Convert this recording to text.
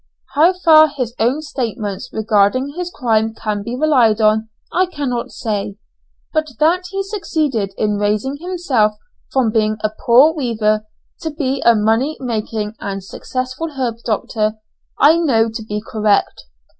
How far his own statements regarding his crime can be relied on, I cannot say, but that he succeeded in raising himself from being a poor weaver to be a money making and successful herb doctor, I know to be correct.